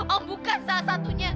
om bukan salah satunya